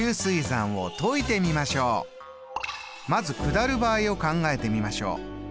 まず下る場合を考えてみましょう。